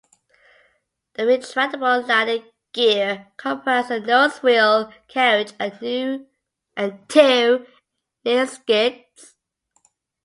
The retractable landing gear comprised a nose-wheel carriage and two rear skids.